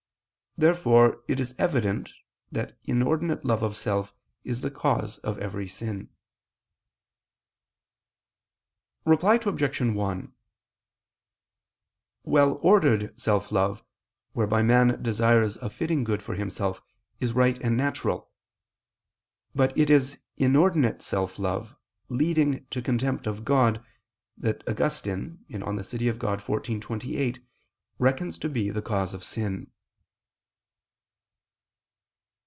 Therefore it is evident that inordinate love of self is the cause of every sin. Reply Obj. 1: Well ordered self love, whereby man desires a fitting good for himself, is right and natural; but it is inordinate self love, leading to contempt of God, that Augustine (De Civ. Dei xiv, 28) reckons to be the cause of sin.